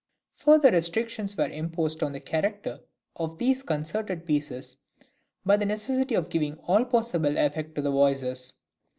Further restrictions were imposed on the character of these concerted pieces by the necessity of giving all possible effect to the voices.